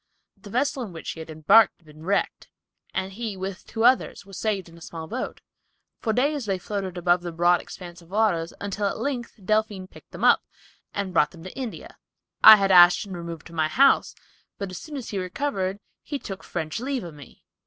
The vessel, in which he had embarked, had been wrecked, and he, with two others, were saved in a small boat. For days they floated above the broad expanse of waters until at length the Delphine picked them up, and brought them to India. I had Ashton removed to my house, but as soon as he recovered, he took French leave of me.